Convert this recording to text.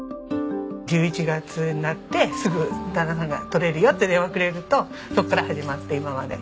１１月になってすぐ旦那さんが取れるよって電話くれるとそこから始まって今まで。